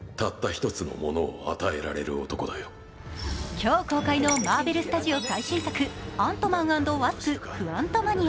今日公開のマーベルスタジオ最新作「アントマン＆ワスプ：クアントマニア」